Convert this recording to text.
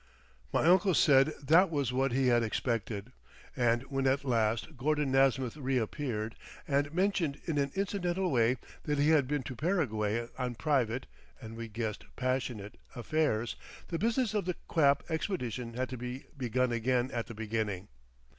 My uncle said that was what he had expected, and when at last Gordon Nasmyth reappeared and mentioned in an incidental way that he had been to Paraguay on private (and we guessed passionate) affairs, the business of the "quap" expedition had to be begun again at the beginning.